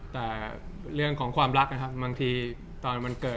แต่เรื่องของความรักนะครับบางทีตอนมันเกิด